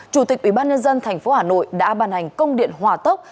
chủ tịch ubnd tp hà nội đã bàn hành công điện hỏa tốc